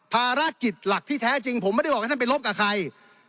ภารกิจหลักที่แท้จริงผมไม่ได้บอกให้ท่านไปรบกับใคร